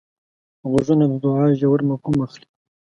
غوږونه د دوعا ژور مفهوم اخلي